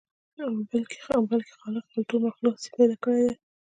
بلکې خالق خپل ټول مخلوق اصيل پيدا کړي دي.